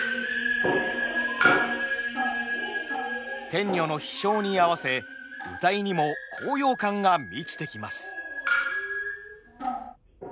天女の飛翔に合わせ謡にも高揚感が満ちてきます。